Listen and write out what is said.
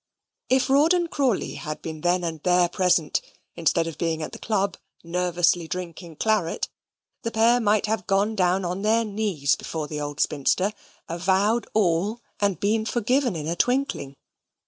If Rawdon Crawley had been then and there present, instead of being at the club nervously drinking claret, the pair might have gone down on their knees before the old spinster, avowed all, and been forgiven in a twinkling.